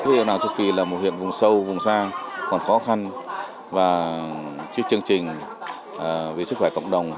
vì là một huyện vùng sâu vùng sang còn khó khăn và chức chương trình về sức khỏe cộng đồng